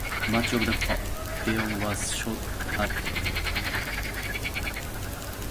Much of the film was shot at Occidental College.